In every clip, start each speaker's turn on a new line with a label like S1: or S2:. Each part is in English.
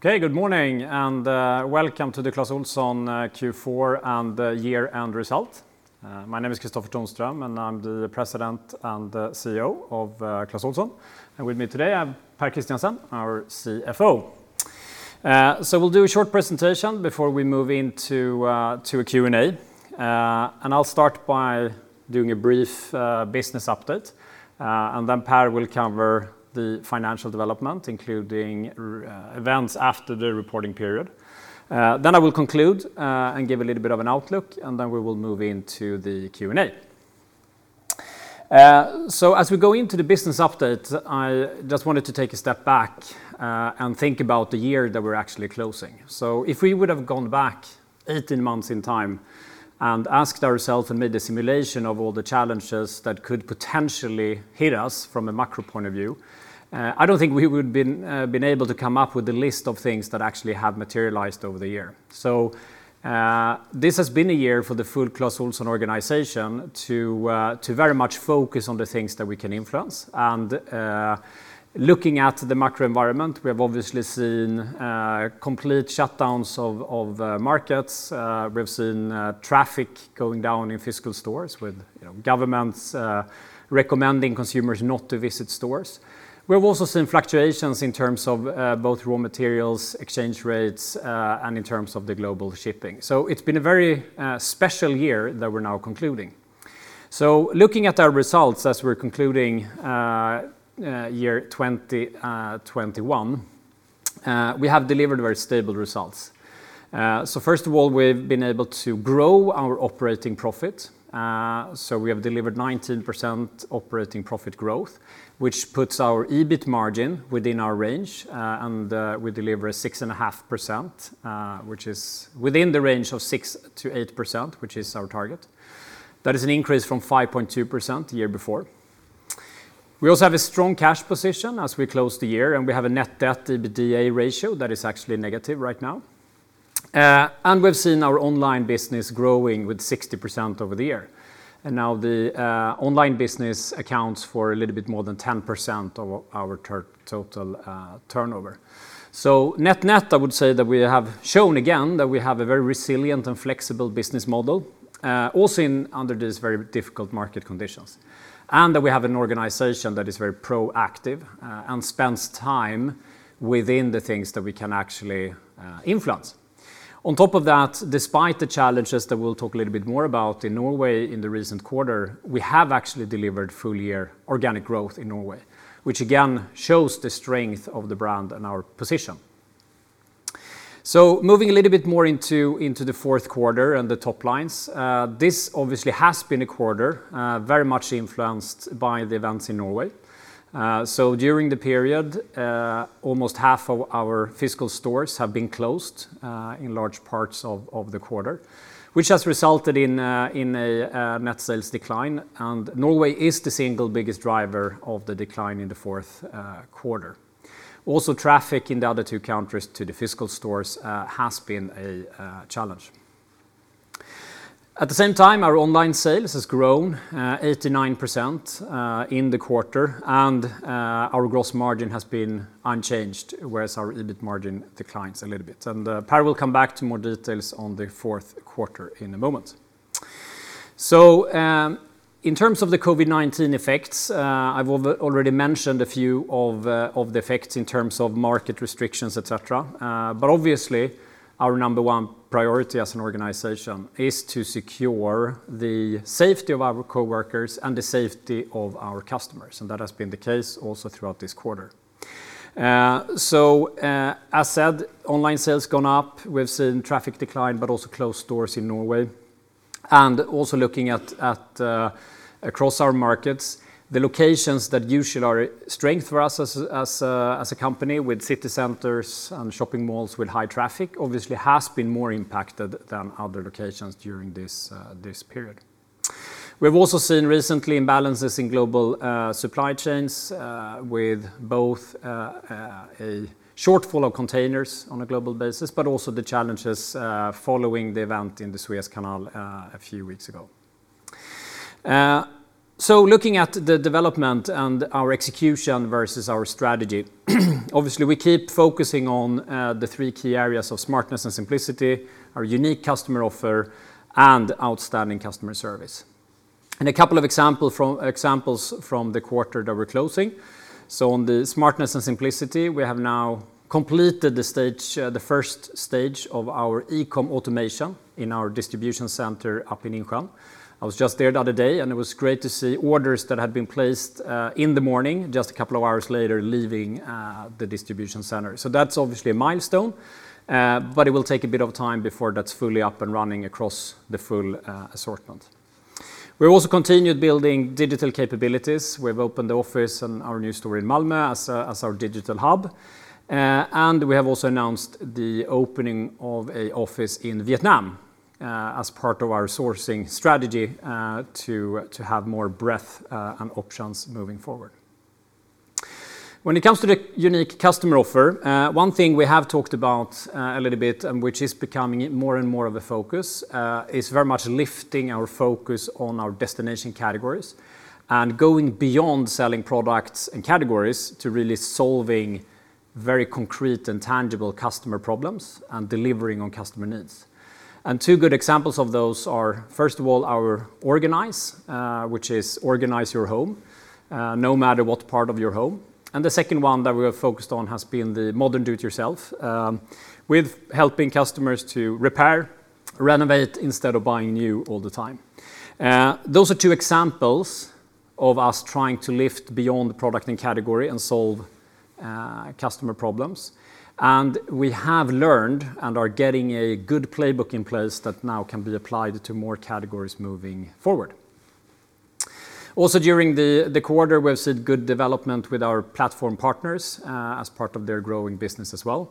S1: Okay, good morning, and welcome to the Clas Ohlson Q4 and year-end result. My name is Kristofer Tonström, and I'm the President and Chief Executive Officer of Clas Ohlson. With me today, I have Pär Christiansen, our Chief Financial Officer. We'll do a short presentation before we move into Q&A. I'll start by doing a brief business update, and then Pär will cover the financial development, including events after the reporting period. I will conclude, and give a little bit of an outlook, and then we will move into the Q&A. As we go into the business update, I just wanted to take a step back, and think about the year that we're actually closing. If we would've gone back 18 months in time and asked ourselves and made a simulation of all the challenges that could potentially hit us from a macro point of view, I don't think we would've been able to come up with the list of things that actually have materialized over the year. This has been a year for the full Clas Ohlson organization to very much focus on the things that we can influence. Looking at the macro environment, we have obviously seen complete shutdowns of markets. We've seen traffic going down in physical stores with governments recommending consumers not to visit stores. We've also seen fluctuations in terms of both raw materials, exchange rates, and in terms of the global shipping. It's been a very special year that we're now concluding. Looking at our results as we're concluding year 2021, we have delivered very stable results. First of all, we've been able to grow our operating profit. We have delivered 19% operating profit growth, which puts our EBIT margin within our range, and we deliver 6.5%, which is within the range of 6%-8%, which is our target. That is an increase from 5.2% the year before. We also have a strong cash position as we close the year, and we have a Net Debt to EBITDA ratio that is actually negative right now. We've seen our online business growing with 60% over the year. Now the online business accounts for a little bit more than 10% of our total turnover. Net-net, I would say that we have shown again that we have a very resilient and flexible business model, also under these very difficult market conditions. That we have an organization that is very proactive and spends time within the things that we can actually influence. On top of that, despite the challenges that we will talk a little bit more about in Norway in the recent quarter, we have actually delivered full-year organic growth in Norway, which again shows the strength of the brand and our position. Moving a little bit more into the fourth quarter and the top lines. This obviously has been a quarter very much influenced by the events in Norway. During the period, almost half of our physical stores have been closed in large parts of the quarter, which has resulted in a net sales decline. Norway is the single biggest driver of the decline in the fourth quarter. Also, traffic in the other two countries to the physical stores has been a challenge. At the same time, our online sales has grown 89% in the quarter, and our gross margin has been unchanged, whereas our EBIT margin declines a little bit. Pär will come back to more details on the fourth quarter in a moment. In terms of the COVID-19 effects, I've already mentioned a few of the effects in terms of market restrictions, et cetera. Obviously, our number one priority as an organization is to secure the safety of our coworkers and the safety of our customers, and that has been the case also throughout this quarter. As said, online sales gone up. We've seen traffic decline, but also closed stores in Norway. Also looking at across our markets, the locations that usually are a strength for us as a company with city centers and shopping malls with high traffic obviously has been more impacted than other locations during this period. We've also seen recently imbalances in global supply chains, with both a shortfall of containers on a global basis, but also the challenges following the event in the Suez Canal a few weeks ago. Looking at the development and our execution versus our strategy. Obviously, we keep focusing on the three key areas of smartness and simplicity, our unique customer offer, and outstanding customer service. A couple of examples from the quarter that we're closing. On the smartness and simplicity, we have now completed the first stage of our e-commerce automation in our distribution center up in Insjön. I was just there the other day, it was great to see orders that had been placed in the morning just a couple of hours later, leaving the distribution center. That's obviously a milestone, but it will take a bit of time before that's fully up and running across the full assortment. We've also continued building digital capabilities. We've opened the office and our new store in Malmö as our digital hub. We have also announced the opening of an office in Vietnam, as part of our sourcing strategy, to have more breadth and options moving forward. When it comes to the unique customer offer, one thing we have talked about a little bit and which is becoming more and more of a focus, is very much lifting our focus on our destination categories and going beyond selling products and categories to really solving very concrete and tangible customer problems and delivering on customer needs. Two good examples of those are, first of all, our Organize, which is organize your home, no matter what part of your home. The second one that we have focused on has been the Modern Do It Yourself. We're helping customers to repair, renovate, instead of buying new all the time. Those are two examples of us trying to lift beyond the product and category and solve customer problems. We have learned and are getting a good playbook in place that now can be applied to more categories moving forward. During the quarter, we've seen good development with our platform partners as part of their growing business as well.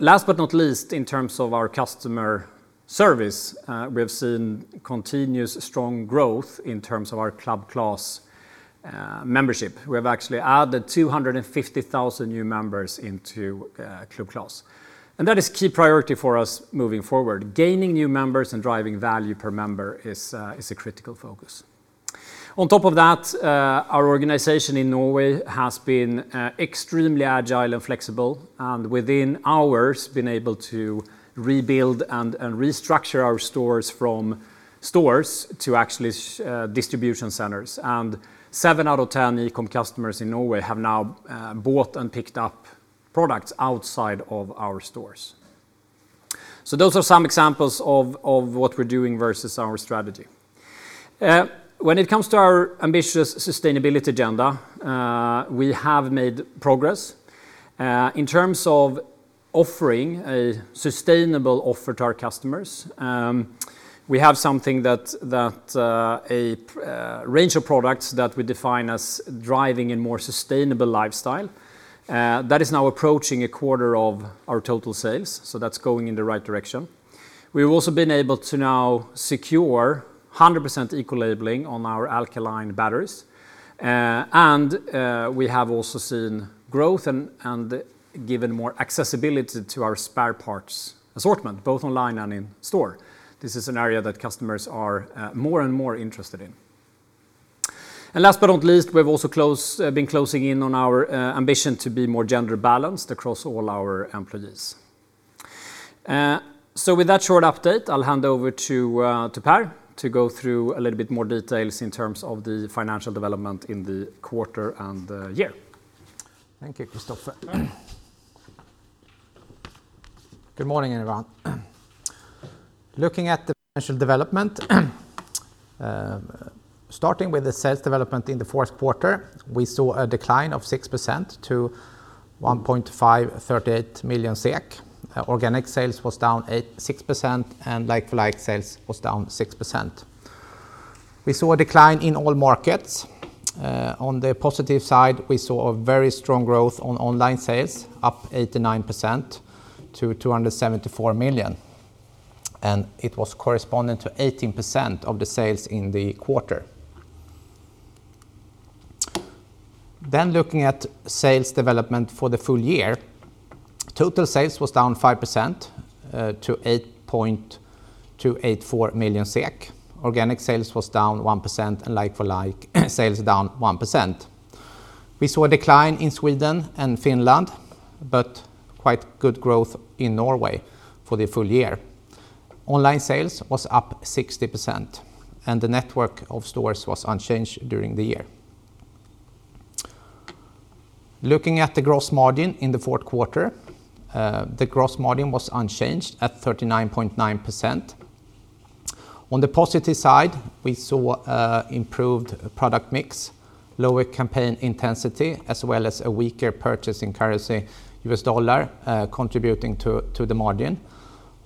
S1: Last but not least, in terms of our customer service, we have seen continuous strong growth in terms of our Club Clas membership. We've actually added 250,000 new members into Club Clas, that is key priority for us moving forward. Gaining new members and driving value per member is a critical focus. On top of that, our organization in Norway has been extremely agile and flexible, within hours been able to rebuild and restructure our stores from stores to actually distribution centers. Seven out of 10 e-commerce customers in Norway have now bought and picked up products outside of our stores. Those are some examples of what we're doing versus our strategy. When it comes to our ambitious sustainability agenda, we have made progress. In terms of offering a sustainable offer to our customers, we have a range of products that we define as driving a more sustainable lifestyle. That is now approaching a quarter of our total sales, that's going in the right direction. We've also been able to now secure 100% eco-labeling on our alkaline batteries. We have also seen growth and given more accessibility to our spare parts assortment, both online and in store. This is an area that customers are more and more interested in. Last but not least, we've also been closing in on our ambition to be more gender-balanced across all our employees. With that short update, I'll hand over to Pär Christiansen to go through a little bit more details in terms of the financial development in the quarter and the year.
S2: Thank you, Kristofer. Good morning, everyone. Looking at the financial development, starting with the sales development in the fourth quarter, we saw a decline of 6% to 1,538 million SEK. Organic sales was down 6%, and like-for-like sales was down 6%. We saw a decline in all markets. On the positive side, we saw a very strong growth on online sales, up 89% to 274 million, and it was corresponding to 18% of the sales in the quarter. Looking at sales development for the full year, total sales was down 5% to 8,284 million SEK. Organic sales was down 1%, and like-for-like sales down 1%. We saw a decline in Sweden and Finland, but quite good growth in Norway for the full year. Online sales was up 60%, and the network of stores was unchanged during the year. Looking at the gross margin in the fourth quarter, the gross margin was unchanged at 39.9%. On the positive side, we saw improved product mix, lower campaign intensity, as well as a weaker purchasing currency, U.S. dollar, contributing to the margin.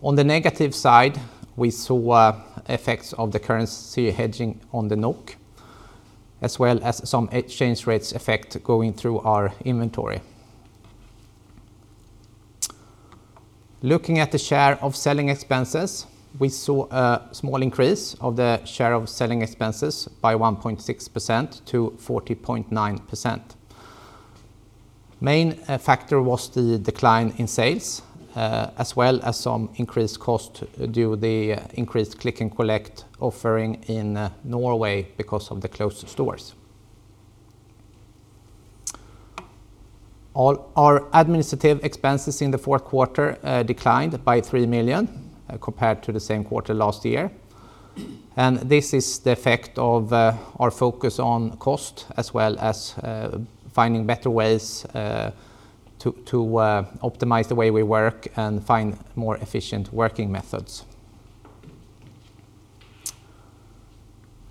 S2: On the negative side, we saw effects of the currency hedging on the NOK, as well as some exchange rates effect going through our inventory. Looking at the share of selling expenses, we saw a small increase of the share of selling expenses by 1.6% to 40.9%. Main factor was the decline in sales, as well as some increased cost due the increased click and collect offering in Norway because of the closed stores. Our administrative expenses in the fourth quarter declined by 3 million compared to the same quarter last year. This is the effect of our focus on cost, as well as finding better ways to optimize the way we work and find more efficient working methods.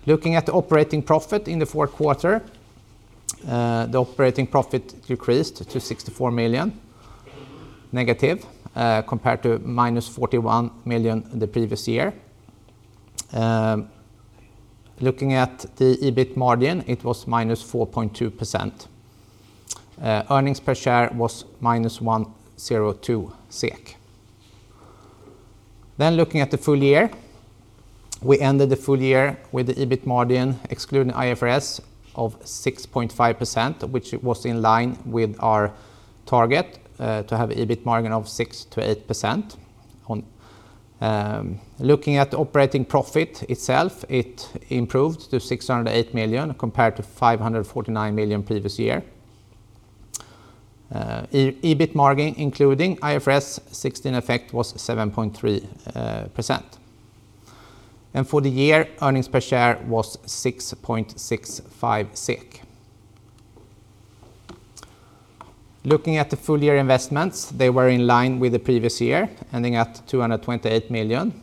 S2: Looking at the operating profit in the fourth quarter, the operating profit decreased to 64 million negative, compared to -41 million in the previous year. Looking at the EBIT margin, it was -4.2%. Earnings per share was -1.02 SEK. Looking at the full year, we ended the full year with the EBIT margin excluding IFRS of 6.5%, which was in line with our target to have EBIT margin of 6%-8%. Looking at operating profit itself, it improved to 608 million compared to 549 million previous year. EBIT margin including IFRS 16 effect was 7.3%. For the year, earnings per share was 6.65. Looking at the full year investments, they were in line with the previous year, ending at 228 million.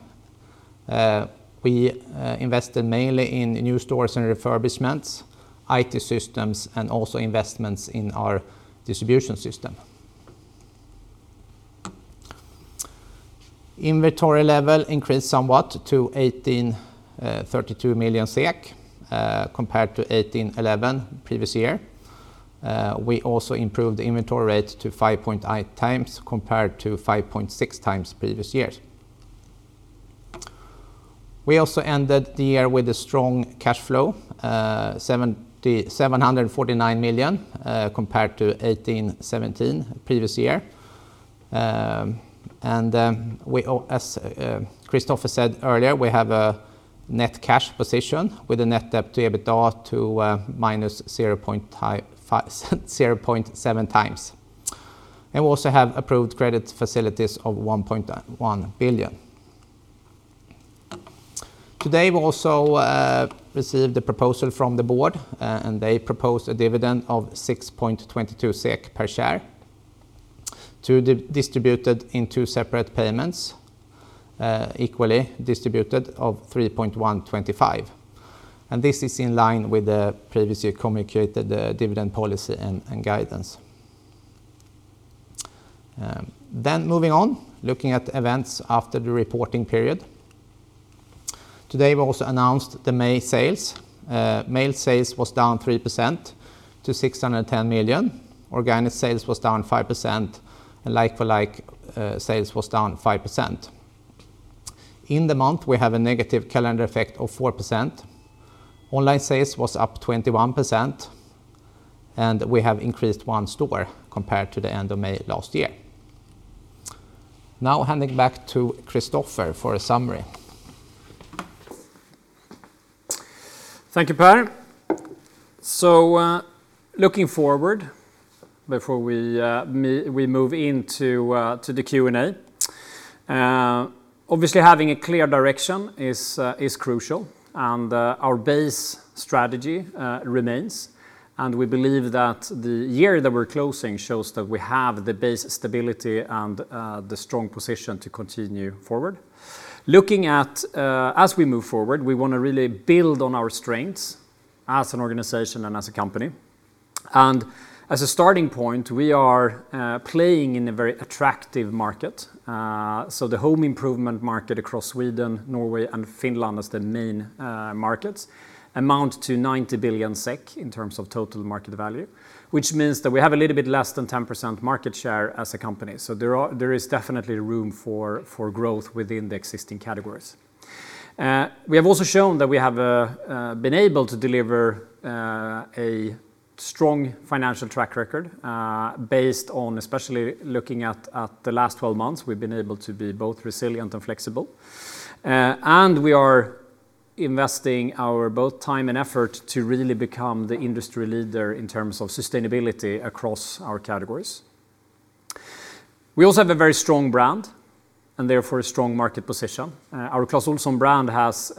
S2: We invested mainly in new stores and refurbishments, IT systems, and also investments in our distribution system. Inventory level increased somewhat to 1,832 million SEK, compared to 1,811 previous year. We also improved inventory rates to 5.9x compared to 5.6x previous year. We also ended the year with a strong cash flow, 749 million, compared to 1,817 previous year. Then as Kristofer said earlier, we have a net cash position with a Net Debt to EBITDA to -0.7x. We also have approved credit facilities of 1.1 billion. Today, we also received a proposal from the board, they proposed a dividend of 6 SEK per share to be distributed in two separate payments, equally distributed of 3.125. This is in line with the previous communicated dividend policy and guidance. Moving on, looking at events after the reporting period. Today, we also announced the May sales. May sales was down 3% to 610 million. Organic sales was down 5%, like-for-like sales was down 5%. In the month, we had a negative calendar effect of 4%. Online sales was up 21%, we have increased one store compared to the end of May last year. Handing back to Kristofer Tonström for a summary.
S1: Thank you, Pär. Looking forward, before we move into the Q&A, obviously, having a clear direction is crucial, and our base strategy remains. We believe that the year that we're closing shows that we have the base stability and the strong position to continue forward. As we move forward, we want to really build on our strengths as an organization and as a company. As a starting point, we are playing in a very attractive market. The home improvement market across Sweden, Norway, and Finland as the main markets amount to 90 billion SEK in terms of total market value, which means that we have a little bit less than 10% market share as a company. There is definitely room for growth within the existing categories. We have also shown that we have been able to deliver a strong financial track record based on especially looking at the last 12 months, we've been able to be both resilient and flexible. We are investing our both time and effort to really become the industry leader in terms of sustainability across our categories. We also have a very strong brand and therefore a strong market position. Our Clas Ohlson brand has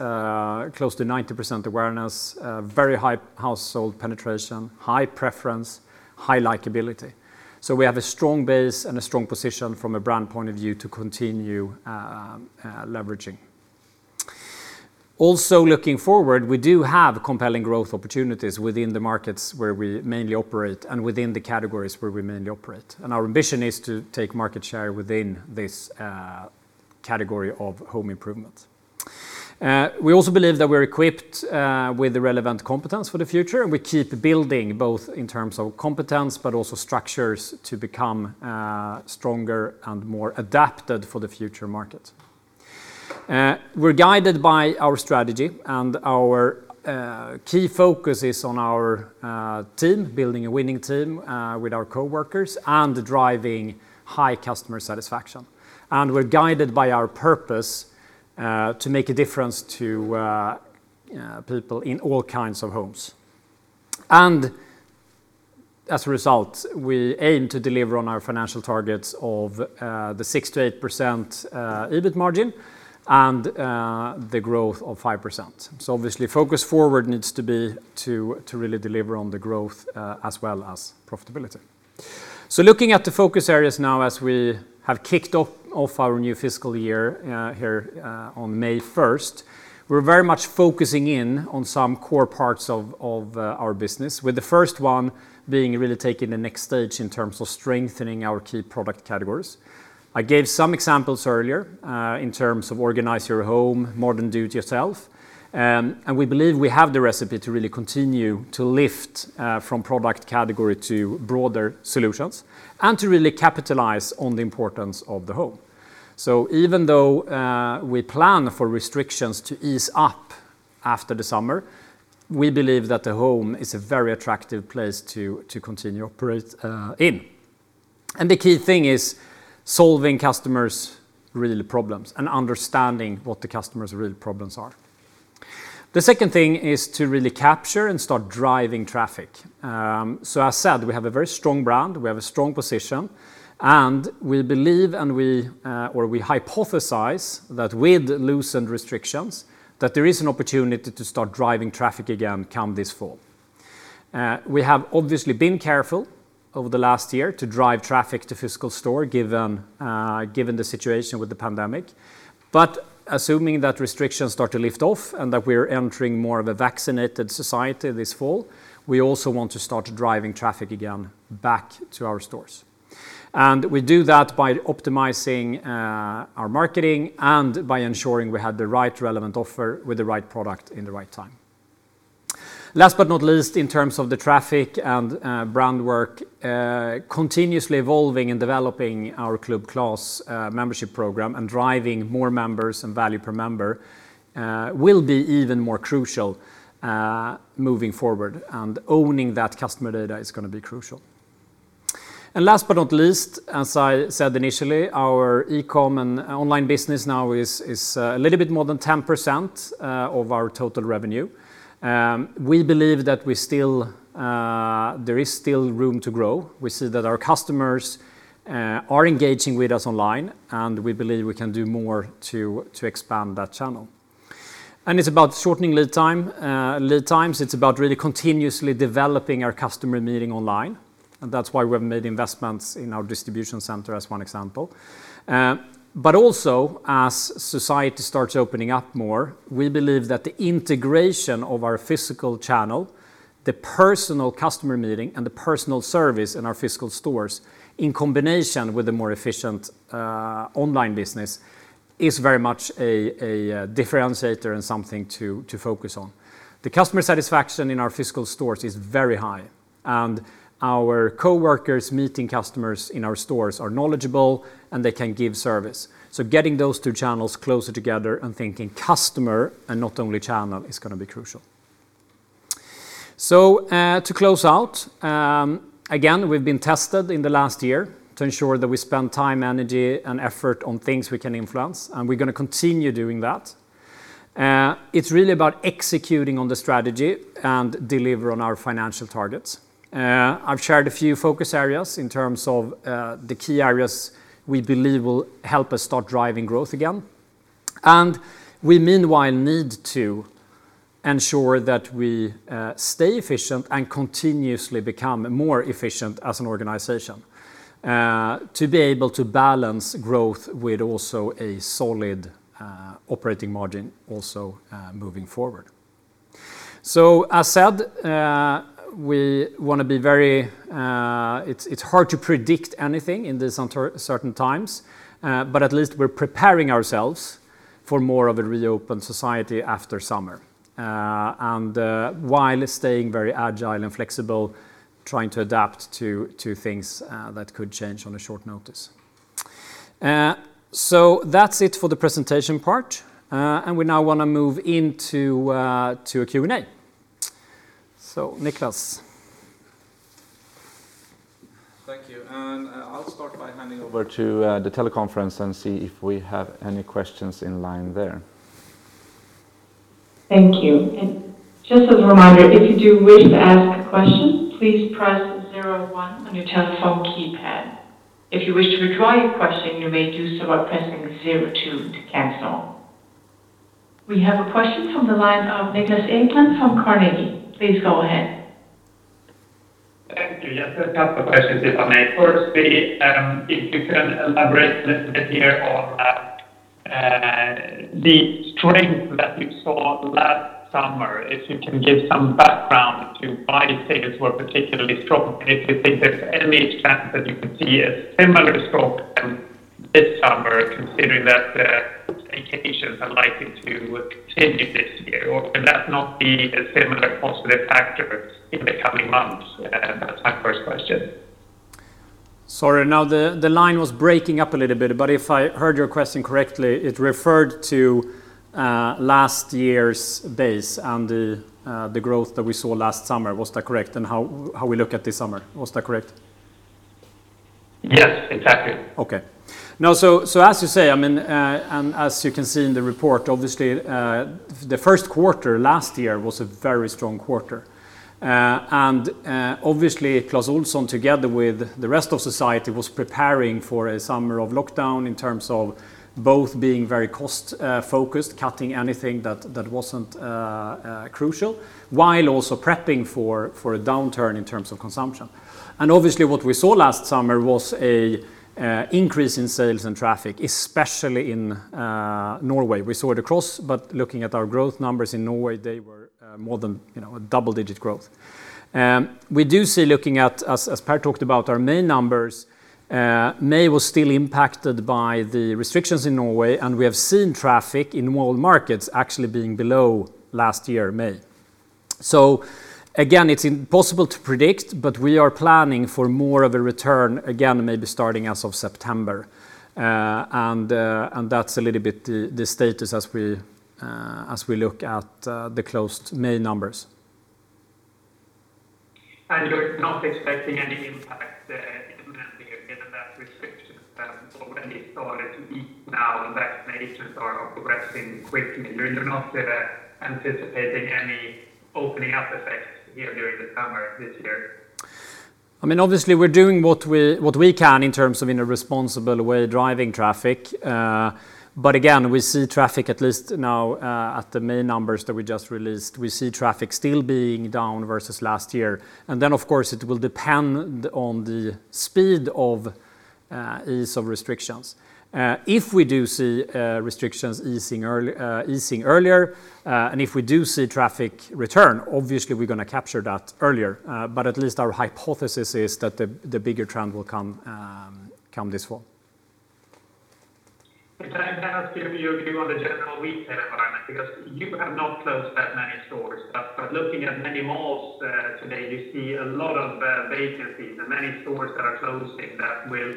S1: close to 90% awareness, very high household penetration, high preference, high likability. We have a strong base and a strong position from a brand point of view to continue leveraging. Also looking forward, we do have compelling growth opportunities within the markets where we mainly operate and within the categories where we mainly operate. Our ambition is to take market share within this category of home improvement. We also believe that we're equipped with relevant competence for the future. We keep building both in terms of competence, but also structures to become stronger and more adapted for the future market. We're guided by our strategy, and our key focus is on our team, building a winning team with our coworkers and driving high customer satisfaction. We're guided by our purpose to make a difference to people in all kinds of homes. As a result, we aim to deliver on our financial targets of the 6%-8% EBIT margin and the growth of 5%. Obviously, focus forward needs to be to really deliver on the growth as well as profitability. Looking at the focus areas now as we have kicked off our new fiscal year here on May 1st, we're very much focusing in on some core parts of our business, with the first one being really taking the next stage in terms of strengthening our key product categories. I gave some examples earlier in terms of Organize your home, Modern Do It Yourself. We believe we have the recipe to really continue to lift from product category to broader solutions and to really capitalize on the importance of the home. Even though we plan for restrictions to ease up after the summer, we believe that the home is a very attractive place to continue operating. The key thing is solving customers' real problems and understanding what the customer's real problems are. The second thing is to really capture and start driving traffic. As said, we have a very strong brand, we have a strong position, and we believe, or we hypothesize that with loosened restrictions, that there is an opportunity to start driving traffic again come this fall. We have obviously been careful over the last year to drive traffic to physical store given the situation with the pandemic. Assuming that restrictions start to lift off and that we're entering more of a vaccinated society this fall, we also want to start driving traffic again back to our stores. We do that by optimizing our marketing and by ensuring we have the right relevant offer with the right product at the right time. Last but not least, in terms of the traffic and brand work, continuously evolving and developing our Club Clas membership program and driving more members and value per member will be even more crucial moving forward. Owning that customer data is going to be crucial. Last but not least, as I said initially, our e-commerce and online business now is a little bit more than 10% of our total revenue. We believe that there is still room to grow. We see that our customers are engaging with us online, and we believe we can do more to expand that channel. It's about shortening lead times. It's about really continuously developing our customer meeting online. That's why we have made investments in our distribution center as one example. Also, as society starts opening up more, we believe that the integration of our physical channel, the personal customer meeting, and the personal service in our physical stores, in combination with a more efficient online business, is very much a differentiator and something to focus on. The customer satisfaction in our physical stores is very high, and our coworkers meeting customers in our stores are knowledgeable and they can give service. Getting those two channels closer together and thinking customer and not only channel is going to be crucial. To close out, again, we've been tested in the last year to ensure that we spend time, energy, and effort on things we can influence, and we're going to continue doing that. It's really about executing on the strategy and delivering on our financial targets. I've shared a few focus areas in terms of the key areas we believe will help us start driving growth again. We meanwhile need to ensure that we stay efficient and continuously become more efficient as an organization to be able to balance growth with also a solid operating margin moving forward. As said, it's hard to predict anything in these uncertain times. At least we're preparing ourselves for more of a reopened society after summer, while staying very agile and flexible, trying to adapt to things that could change on short notice. That's it for the presentation part. We now want to move into Q&A. Niklas Carlsson?
S3: Thank you. I'll start by handing over to the teleconference and see if we have any questions in line there.
S4: Thank you. Just as a reminder, if you do wish to ask a question, please press zero one on your telephone keypad. If you wish to withdraw your question, you may do so by pressing zero two to cancel. We have a question from the line of Niklas Ekman from Carnegie. Please go ahead.
S5: Thank you. Yes, just a couple questions, if I may. Firstly, if you can elaborate a little bit here on the strength that you saw last summer, if you can give some background to why sales were particularly strong and if you think there's any chance that you could see a similar strong trend this summer, considering that the vacations are likely to continue this year, or could that not be a similar positive factor in the coming months? That's my first question.
S1: Sorry. No, the line was breaking up a little bit, but if I heard your question correctly, it referred to last year's base and the growth that we saw last summer. Was that correct? How we look at this summer. Was that correct?
S5: Yes, exactly.
S1: Okay. As you say, and as you can see in the report, obviously, the first quarter last year was a very strong quarter. Obviously, Clas Ohlson, together with the rest of society, was preparing for a summer of lockdown in terms of both being very cost-focused, cutting anything that wasn't crucial, while also prepping for a downturn in terms of consumption. Obviously, what we saw last summer was an increase in sales and traffic, especially in Norway. We saw it across, but looking at our growth numbers in Norway, they were more than a double-digit growth. We do see, looking at, as Pär talked about, our main numbers, May was still impacted by the restrictions in Norway, and we have seen traffic in world markets actually being below last year, May. Again, it's impossible to predict, but we are planning for more of a return again, maybe starting as of September. That's a little bit the status as we look at the closed May numbers.
S5: You're not expecting any impact implementing again of that restrictions that have already started now and that nations are progressing quickly. You're not anticipating any opening up effect here during the summer this year?
S1: Obviously, we're doing what we can in terms of in a responsible way, driving traffic. Again, we see traffic at least now at the May numbers that we just released. We see traffic still being down versus last year. Of course, it will depend on the speed of ease of restrictions. If we do see restrictions easing earlier and if we do see traffic return, obviously, we're going to capture that earlier. At least our hypothesis is that the bigger trend will come this fall.
S5: If I may ask you on the general retail environment, because you have not closed that many stores, but looking at many malls today, you see a lot of vacancies and many stores that are closing that will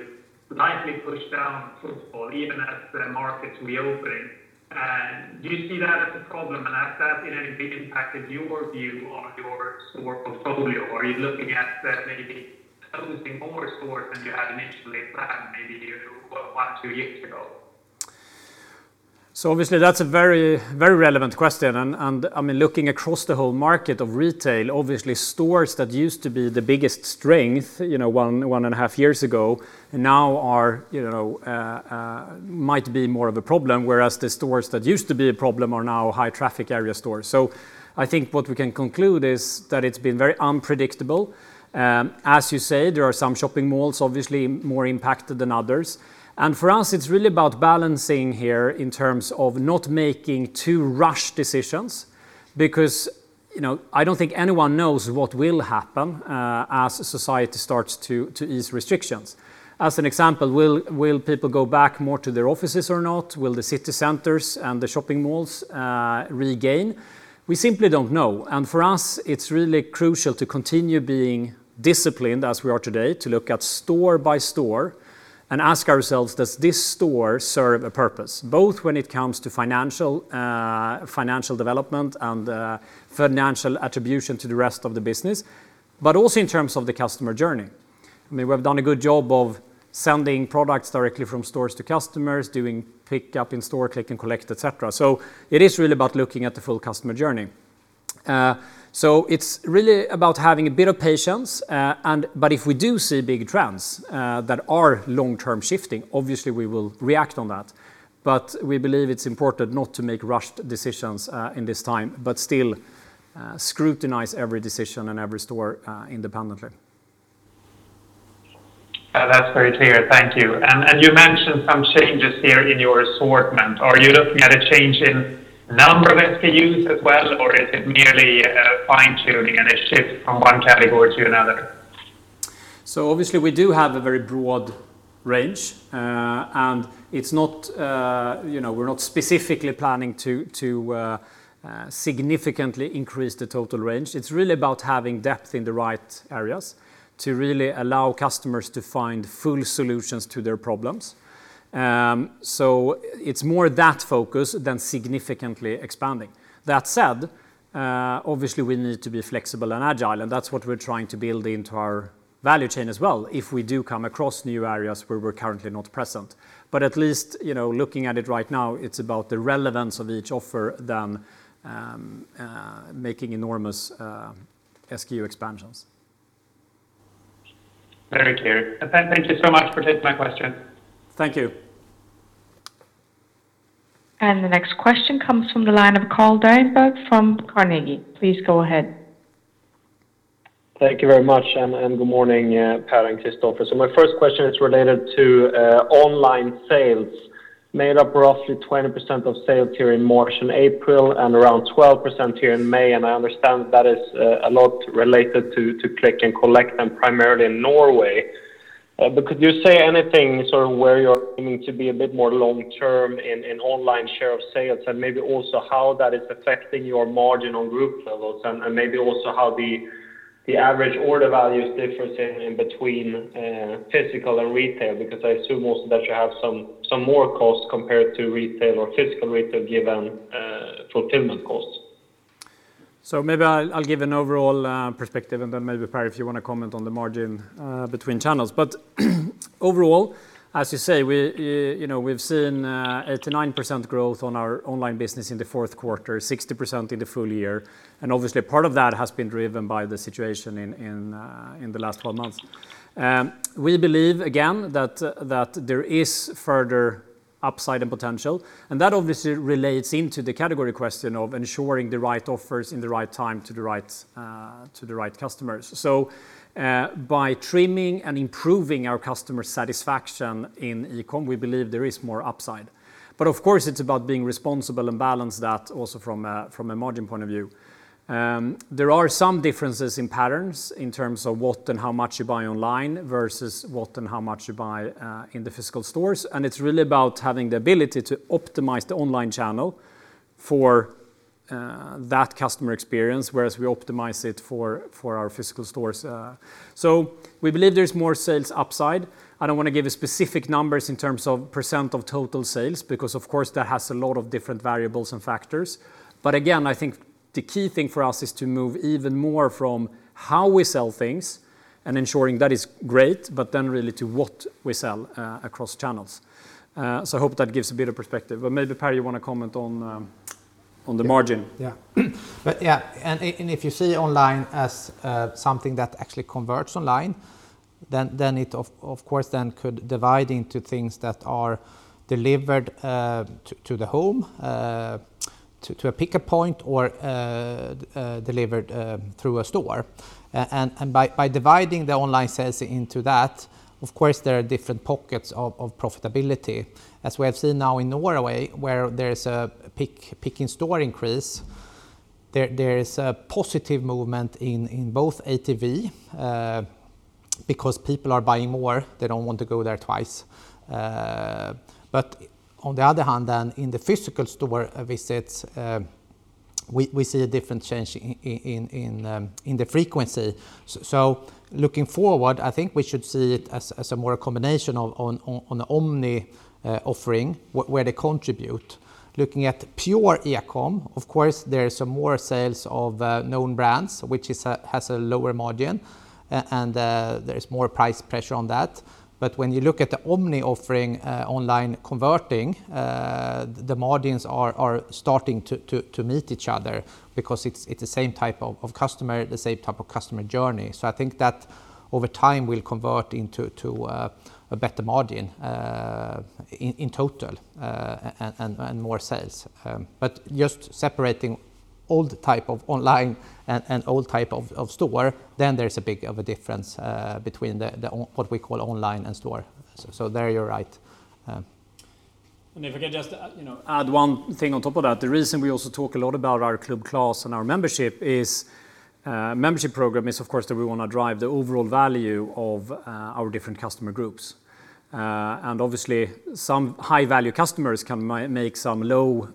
S5: likely push down footfall even as markets reopen. Do you see that as a problem? Has that impacted your view on your store portfolio? Are you looking at maybe closing more stores than you had initially planned maybe one, two years ago?
S1: Obviously that's a very relevant question and looking across the whole market of retail, obviously stores that used to be the biggest strength one and a half years ago now might be more of a problem, whereas the stores that used to be a problem are now high traffic area stores. I think what we can conclude is that it's been very unpredictable. As you say, there are some shopping malls obviously more impacted than others. For us, it's really about balancing here in terms of not making too rushed decisions because I don't think anyone knows what will happen as society starts to ease restrictions. As an example, will people go back more to their offices or not? Will the city centers and the shopping malls regain? We simply don't know. For us, it's really crucial to continue being disciplined as we are today, to look at store by store and ask ourselves, does this store serve a purpose both when it comes to financial development and financial attribution to the rest of the business, but also in terms of the customer journey? We've done a good job of sending products directly from stores to customers, doing pick up in store, click and collect, et cetera. It is really about looking at the full customer journey. It's really about having a bit of patience, but if we do see big trends that are long-term shifting, obviously we will react on that. We believe it's important not to make rushed decisions in this time, but still scrutinize every decision and every store independently.
S5: That's very clear. Thank you. You mentioned some changes here in your assortment. Are you looking at a change in number of stock keeping units as well, or is it merely a fine-tuning and a shift from one category to another?
S1: Obviously we do have a very broad range, and we're not specifically planning to significantly increase the total range. It's really about having depth in the right areas to really allow customers to find full solutions to their problems. It's more that focus than significantly expanding. That said, obviously we need to be flexible and agile, and that's what we're trying to build into our value chain as well if we do come across new areas where we're currently not present. At least, looking at it right now, it's about the relevance of each offer than making enormous SKU expansions.
S5: Very clear. Thank you so much for taking my question.
S1: Thank you.
S4: The next question comes from the line of Carl Deijenberg from Carnegie. Please go ahead.
S6: Thank you very much. Good morning, Pär and Kristofer. My first question is related to online sales made up roughly 20% of sales here in March and April and around 12% here in May. I understand that is a lot related to click and collect and primarily in Norway. Could you say anything sort of where you're aiming to be a bit more long term in online share of sales and maybe also how that is affecting your margin on group levels and maybe also how the average order values differ in between physical and retail? Because I assume also that you have some more costs compared to retail or physical retail given fulfillment costs.
S1: Maybe I'll give an overall perspective and then maybe, Pär, if you want to comment on the margin between channels. Overall, as you say, we've seen 89% growth on our online business in the fourth quarter, 60% in the full year, and obviously part of that has been driven by the situation in the last 12 months. We believe again that there is further upside and potential, and that obviously relates into the category question of ensuring the right offers in the right time to the right customers. By trimming and improving our customer satisfaction in e-commerce, we believe there is more upside. Of course, it's about being responsible and balance that also from a margin point of view. There are some differences in patterns in terms of what and how much you buy online versus what and how much you buy in the physical stores. It's really about having the ability to optimize the online channel for that customer experience, whereas we optimize it for our physical stores. We believe there's more sales upside. I don't want to give specific numbers in terms of percent of total sales, because of course, that has a lot of different variables and factors. Again, I think the key thing for us is to move even more from how we sell things and ensuring that is great, but then really to what we sell across channels. I hope that gives a bit of perspective, but maybe, Pär, you want to comment on the margin?
S2: If you see online as something that actually converts online, it of course could divide into things that are delivered to the home, to a pickup point, or delivered through a store. By dividing the online sales into that, of course, there are different pockets of profitability. As we have seen now in Norway, where there's a pick in store increase, there is a positive movement in both average ticket value because people are buying more. They don't want to go there twice. On the other hand, in the physical store visits, we see a different change in the frequency. Looking forward, I think we should see it as more combination on omni offering, where they contribute. Looking at pure eCom, of course, there's some more sales of known brands, which has a lower margin, there's more price pressure on that. When you look at the omni offering online converting, the margins are starting to meet each other because it's the same type of customer, the same type of customer journey. I think that over time, we'll convert into a better margin in total and more sales. Just separating all the type of online and all type of store, there's a big of a difference between what we call online and store. There you're right.
S1: If I can just add one thing on top of that. The reason we also talk a lot about our Club Clas and our membership program is, of course, that we want to drive the overall value of our different customer groups. Obviously, some high-value customers can make some low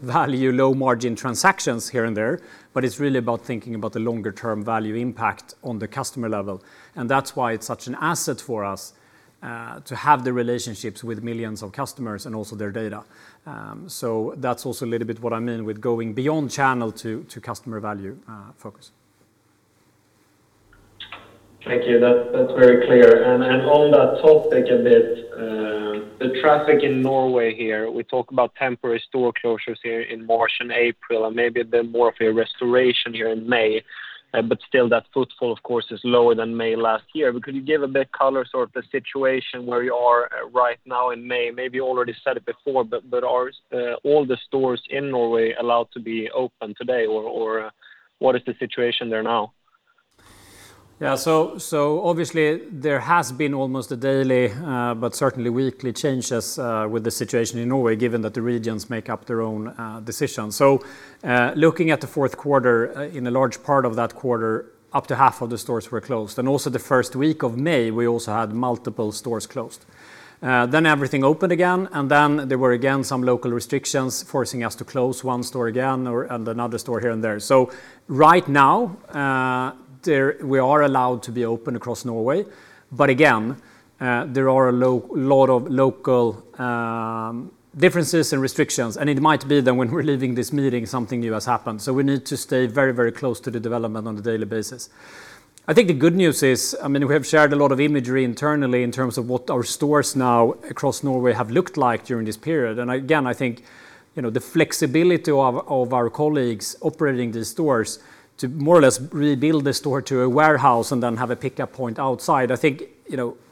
S1: value, low margin transactions here and there, but it's really about thinking about the longer-term value impact on the customer level. That's why it's such an asset for us to have the relationships with millions of customers and also their data. That's also a little bit what I mean with going beyond channel to customer value focus.
S6: Thank you. That's very clear. On that topic a bit, the traffic in Norway here, we talk about temporary store closures here in March and April, and maybe a bit more of a restoration here in May. Still that footfall, of course, is lower than May last year. Could you give a bit color sort of the situation where you are right now in May? Maybe you already said it before, are all the stores in Norway allowed to be open today, or what is the situation there now?
S1: Obviously, there has been almost a daily, but certainly weekly changes with the situation in Norway, given that the regions make up their own decisions. Looking at the fourth quarter, in a large part of that quarter, up to half of the stores were closed. Also, the first week of May, we also had multiple stores closed. Everything opened again, and then there were, again, some local restrictions forcing us to close one store again or another store here and there. Right now, we are allowed to be open across Norway. Again, there are a lot of local differences in restrictions, and it might be that when we're leaving this meeting, something new has happened. We need to stay very close to the development on a daily basis. I think the good news is, we have shared a lot of imagery internally in terms of what our stores now across Norway have looked like during this period. Again, I think the flexibility of our colleagues operating these stores to more or less rebuild the store to a warehouse and then have a pickup point outside. I think,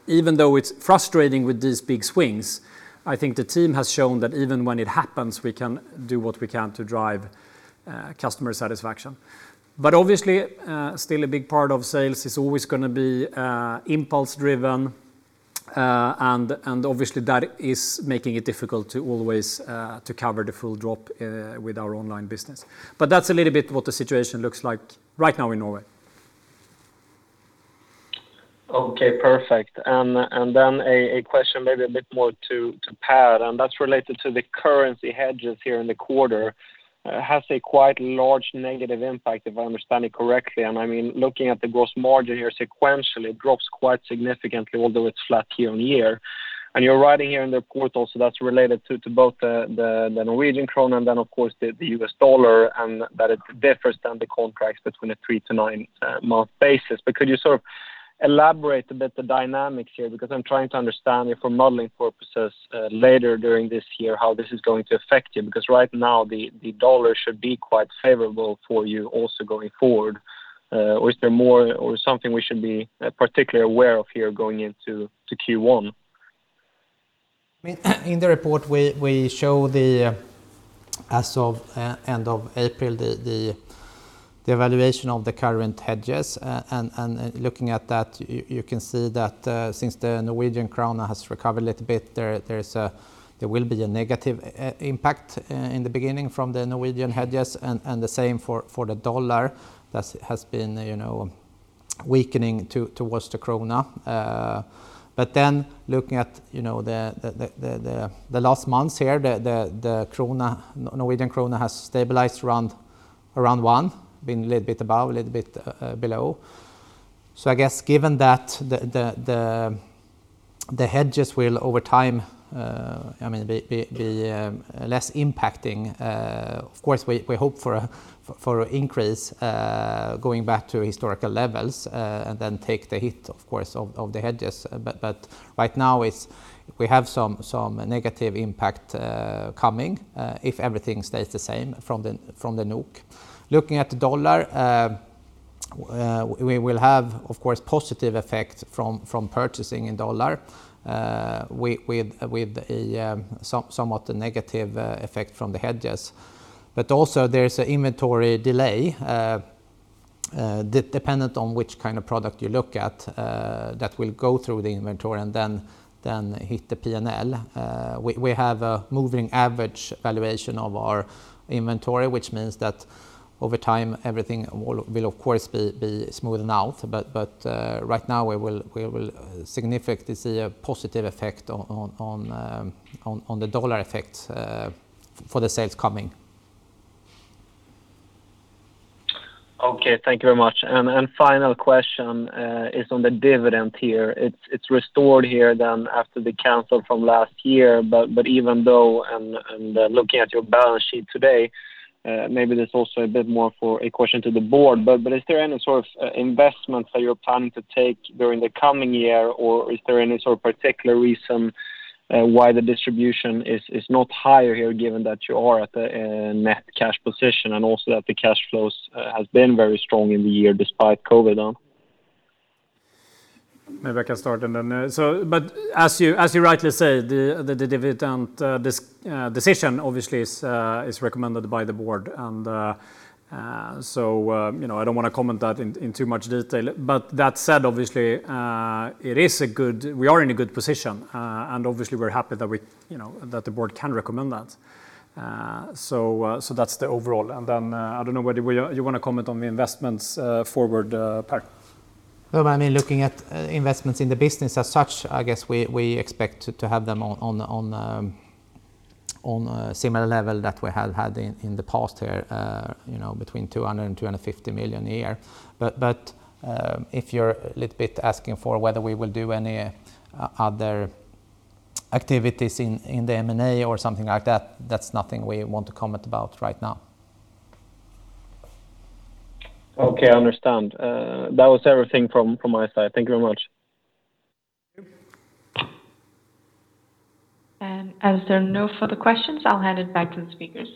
S1: even though it's frustrating with these big swings, I think the team has shown that even when it happens, we can do what we can to drive customer satisfaction. Obviously, still a big part of sales is always going to be impulse driven, and obviously, that is making it difficult to always cover the full drop with our online business. That's a little bit what the situation looks like right now in Norway.
S6: Okay, perfect. Then a question maybe a bit more to Pär, and that's related to the currency hedges here in the quarter. It has a quite large negative impact, if I understand it correctly. Looking at the gross margin here sequentially, it drops quite significantly, although it's flat year-on-year. You're writing here in the report also that's related to both the Norwegian krone and, of course, the US dollar, and that it differs than the contracts between the three to nine-month basis. Could you sort of elaborate a bit the dynamic here? I'm trying to understand it for modeling purposes later during this year how this is going to affect you, because right now the dollar should be quite favorable for you also going forward. Is there more or something we should be particularly aware of here going into Q1?
S2: In the report, we show as of end of April, the valuation of the current hedges. Looking at that, you can see that since the Norwegian krone has recovered a little bit, there will be a negative impact in the beginning from the Norwegian hedges and the same for the dollar that has been weakening towards the krona. Looking at the last months here, the Norwegian krona has stabilized around one, been a little bit above, a little bit below. I guess given that the hedges will, over time, be less impacting. Of course, we hope for increase going back to historical levels and then take the hit, of course, of the hedges. But right now, we have some negative impact coming, if everything stays the same from the NOK. Looking at the U.S. dollar, we will have, of course, positive effect from purchasing in dollar, with a somewhat negative effect from the hedges. Also there is an inventory delay, dependent on which kind of product you look at, that will go through the inventory and then hit the P&L. We have a moving average valuation of our inventory, which means that over time everything will, of course, be smoothing out. Right now we will significantly see a positive effect on the U.S. dollar effects for the sales coming.
S6: Okay, thank you very much. Final question is on the dividend here. It's restored here then after the cancel from last year. Even though, looking at your balance sheet today, maybe there's also a bit more for a question to the board, is there any sort of investments that you're planning to take during the coming year? Is there any sort of particular reason why the distribution is not higher here, given that you are at a net cash position and also that the cash flows has been very strong in the year despite COVID-19?
S1: Maybe I can start. As you rightly say, the dividend decision obviously is recommended by the board. I don't want to comment that in too much detail. That said, obviously we are in a good position. Obviously we're happy that the board can recommend that. That's the overall and then I don't know whether you want to comment on the investments forward, Pär.
S2: Well, looking at investments in the business as such, I guess we expect to have them on a similar level that we have had in the past here, between 200 million and 250 million a year. If you're a little bit asking for whether we will do any other activities in the M&A or something like that's nothing we want to comment about right now.
S6: Okay, I understand. That was everything from my side. Thank you very much.
S4: As there are no further questions, I'll hand it back to the speakers.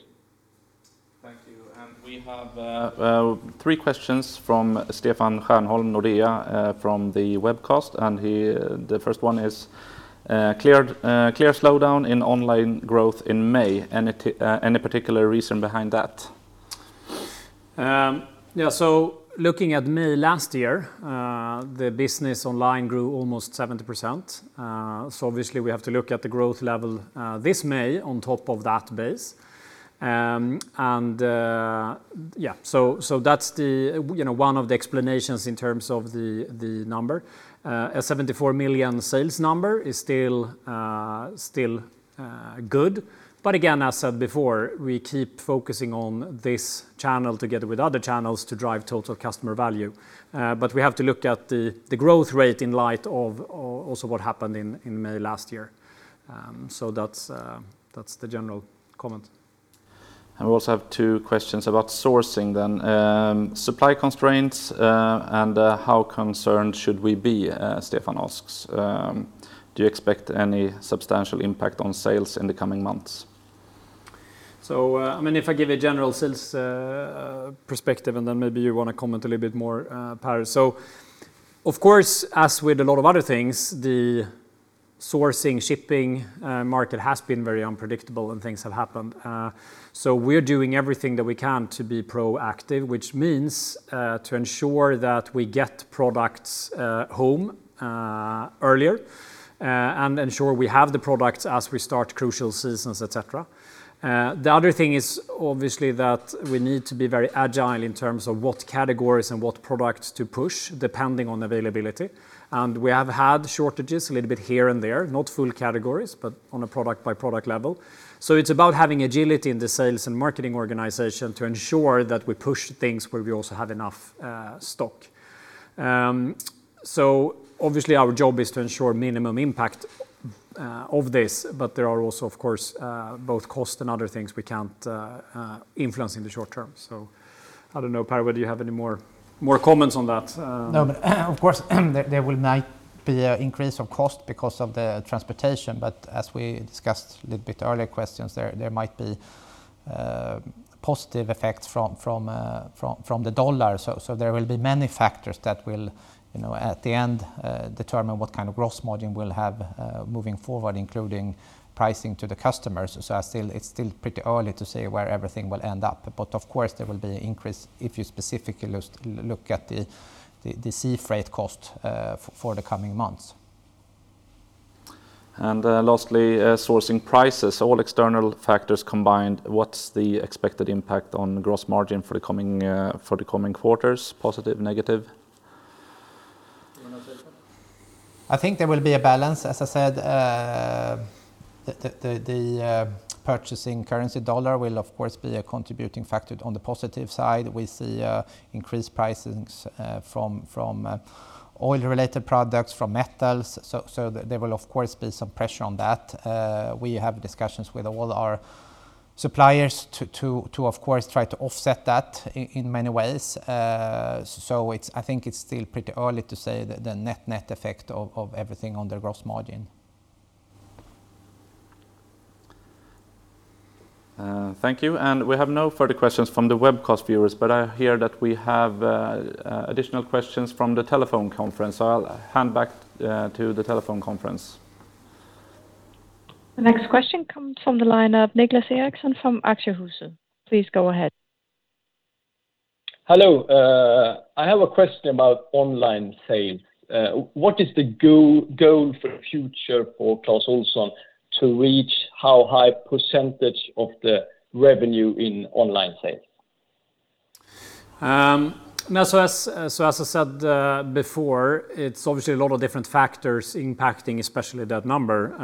S1: Thank you. We have three questions from Stefan Stjernholm, Nordea, from the webcast. The first one is: Clear slowdown in online growth in May. Any particular reason behind that? Looking at May last year, the business online grew almost 70%. Obviously we have to look at the growth level this May on top of that base. That's one of the explanations in terms of the number. A 74 million sales number is still good. Again, as said before, we keep focusing on this channel together with other channels to drive total customer value. We have to look at the growth rate in light of also what happened in May last year. That's the general comment. We also have two questions about sourcing then. Supply constraints and how concerned should we be? Stefan asks. Do you expect any substantial impact on sales in the coming months? If I give a general sales perspective, and then maybe you want to comment a little bit more, Pär. Of course, as with a lot of other things, the sourcing, shipping market has been very unpredictable and things have happened. We're doing everything that we can to be proactive, which means to ensure that we get products home earlier and ensure we have the products as we start crucial seasons, et cetera. The other thing is obviously that we need to be very agile in terms of what categories and what products to push, depending on availability. We have had shortages a little bit here and there, not full categories, but on a product-by-product level. It's about having agility in the sales and marketing organization to ensure that we push things where we also have enough stock. Obviously our job is to ensure minimum impact of this, but there are also, of course, both cost and other things we can't influence in the short term. I don't know, Pär, whether you have any more comments on that.
S2: Of course, there might be an increase of cost because of the transportation, but as we discussed a little bit earlier questions, there might be positive effects from the dollar. There will be many factors that will, at the end, determine what kind of gross margin we'll have moving forward, including pricing to the customers. It's still pretty early to say where everything will end up. Of course, there will be increase if you specifically look at the sea freight cost for the coming months.
S1: Lastly, sourcing prices, all external factors combined, what's the expected impact on gross margin for the coming quarters? Positive, negative?
S2: I think there will be a balance. As I said, the purchasing currency US dollar will, of course, be a contributing factor on the positive side. We see increased pricings from oil-related products, from metals. There will, of course, be some pressure on that. We have discussions with all our suppliers to, of course, try to offset that in many ways. I think it's still pretty early to say the net effect of everything on the gross margin. Thank you. We have no further questions from the webcast viewers, but I hear that we have additional questions from the telephone conference, so I'll hand back to the telephone conference.
S4: The next question comes from the line of Niclas Ekholm from Aktiespararna. Please go ahead.
S7: Hello. I have a question about online sales. What is the goal for the future for Clas Ohlson to reach how high % of the revenue in online sales?
S1: As I said before, it's obviously a lot of different factors impacting, especially that number.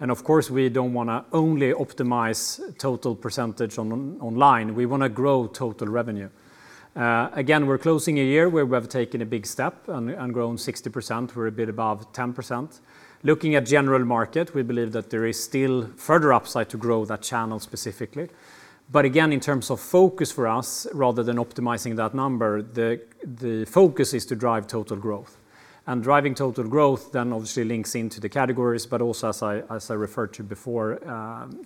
S1: Of course, we don't want to only optimize total % online. We want to grow total revenue. Again, we're closing a year where we have taken a big step and grown 60%. We're a bit above 10%. Looking at the general market, we believe that there is still further upside to grow that channel specifically. Again, in terms of focus for us, rather than optimizing that number, the focus is to drive total growth. Driving total growth then obviously links into the categories, but also as I referred to before,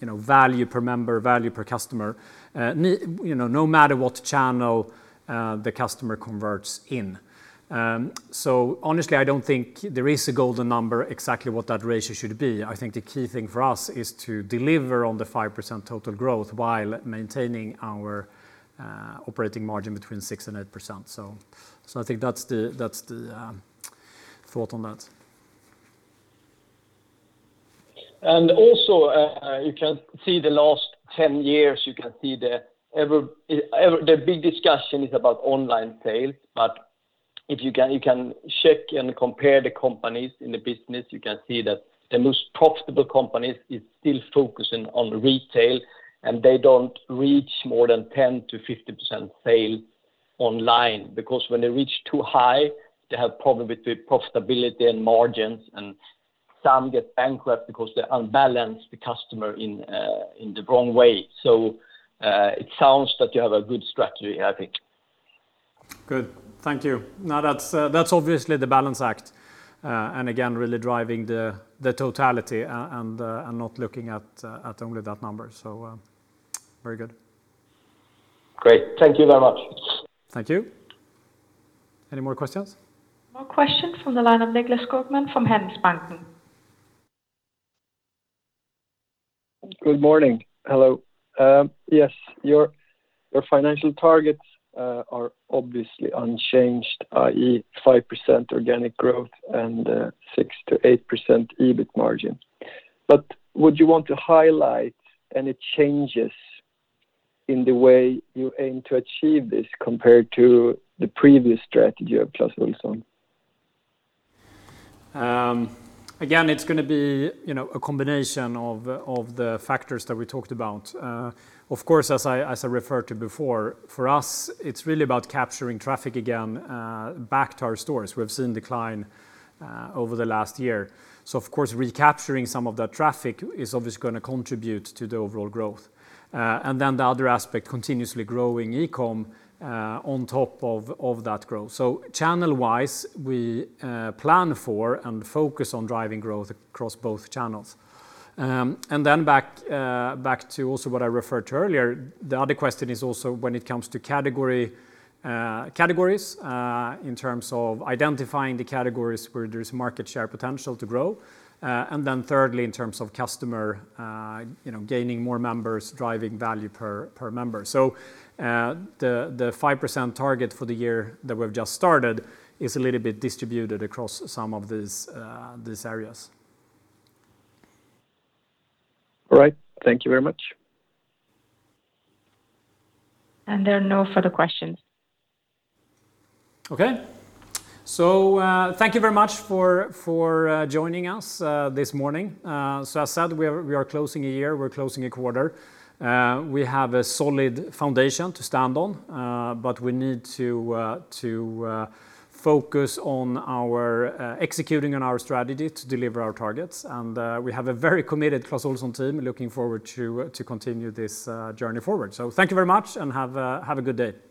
S1: value per member, value per customer, no matter what channel the customer converts in. Honestly, I don't think there is a golden number exactly what that ratio should be. I think the key thing for us is to deliver on the 5% total growth while maintaining our operating margin between 6% and 8%. I think that's the thought on that.
S7: Also, you can see the last 10 years, you can see the big discussion is about online sales, but if you can check and compare the companies in the business, you can see that the most profitable companies are still focusing on retail, and they don't reach more than 10%-15% sales online. Because when they reach too high, they have problems with profitability and margins, and some get bankrupt because they unbalance the customer in the wrong way. It sounds that you have a good strategy, I think.
S1: Good. Thank you. No, that's obviously the balance act, and again, really driving the totality and not looking at only that number. Very good.
S7: Great. Thank you very much.
S1: Thank you. Any more questions?
S4: One question from the line of Nicklas Skogman from Handelsbanken.
S8: Good morning. Hello. Yes, your financial targets are obviously unchanged, i.e., 5% organic growth and 6%-8% EBIT margin. Would you want to highlight any changes in the way you aim to achieve this compared to the previous strategy of Clas Ohlson?
S1: It's going to be a combination of the factors that we talked about. As I referred to before, for us, it's really about capturing traffic again back to our stores. We've seen decline over the last year. Recapturing some of that traffic is obviously going to contribute to the overall growth. The other aspect, continuously growing e-commerce on top of that growth. Channel-wise, we plan for and focus on driving growth across both channels. Back to also what I referred to earlier, the other question is also when it comes to categories, in terms of identifying the categories where there's market share potential to grow. Thirdly, in terms of customer, gaining more members, driving value per member. The 5% target for the year that we've just started is a little bit distributed across some of these areas.
S8: All right. Thank you very much.
S4: There are no further questions.
S1: Okay. Thank you very much for joining us this morning. As I said, we are closing a year, we're closing a quarter. We have a solid foundation to stand on, but we need to focus on executing on our strategy to deliver our targets, and we have a very committed Clas Ohlson team looking forward to continue this journey forward. Thank you very much, and have a good day.